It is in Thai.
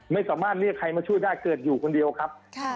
ไม่สามารถเรียกใครมาช่วยได้เกิดอยู่คนเดียวครับ